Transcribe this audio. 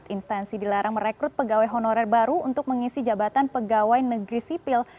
instansi dilarang merekrut pegawai honorer baru untuk mengisi jabatan pegawai negeri sipil